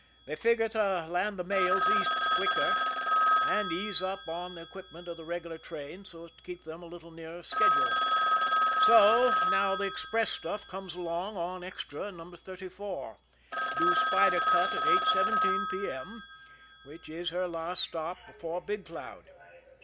They figure to land the mails East quicker, and ease up on the equipment of the regular trains so as to keep them a little nearer schedule. So now the express stuff comes along on Extra No. 34, due Spider Cut at eight seventeen p. m., which is her last stop before Big Cloud."